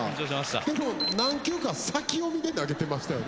でも何球か先読みで投げてましたよね？